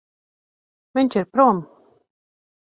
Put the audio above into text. Viņš ir prom.